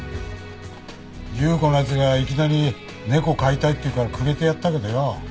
由子の奴がいきなり「猫飼いたい」って言うからくれてやったけどよ。